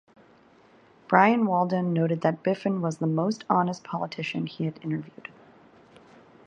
Brian Walden noted that Biffen was the "most honest" politician he had interviewed.